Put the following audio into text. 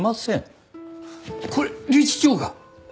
これ理事長が？